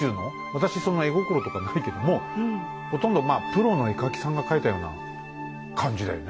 私その絵心とかないけどもほとんどまあプロの絵描きさんが描いたような感じだよね。